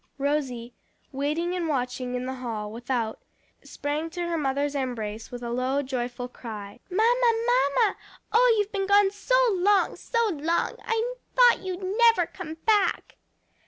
Rosie, waiting and watching in the hall without, sprang to her mother's embrace with a low, joyful cry, "Mamma, mamma! oh, you've been gone so long, so long! I thought you'd never come back."